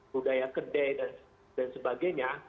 budaya kedai dan sebagainya